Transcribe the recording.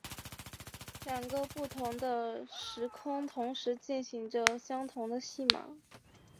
两个不同的时空同时进行着相同的戏码。